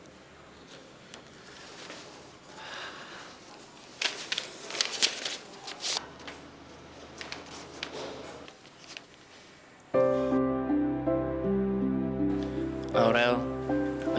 nah udah enjoy